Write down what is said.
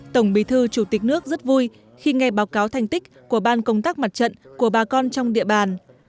tổng bí thư chủ tịch nước rất vui khi nghe báo cáo thành tích của ban công tác mặt trận của bà con trong địa bàn